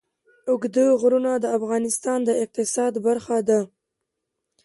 اوږده غرونه د افغانستان د اقتصاد برخه ده.